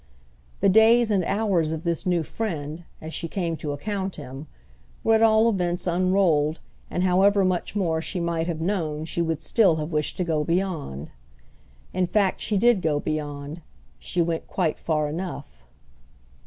The days and hours of this new friend, as she came to account him, were at all events unrolled, and however much more she might have known she would still have wished to go beyond. In fact she did go beyond; she went quite far enough.